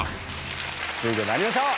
続いて参りましょう。